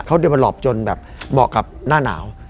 เขาดิวัลบลอบจนเหมาะกับหน้าหนาว